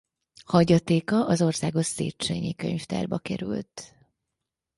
Hagyatéka az Országos Széchényi Könyvtárba került.